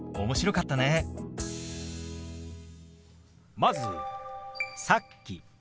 まず「さっき」。